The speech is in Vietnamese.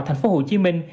thành phố hồ chí minh